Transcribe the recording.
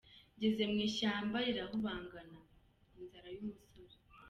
Ngeze mu ishyamba rirahungabana: “Inzara y’umusore”